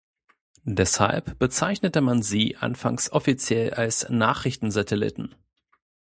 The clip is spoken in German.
Deshalb bezeichnete man sie anfangs offiziell als "Nachrichtensatelliten".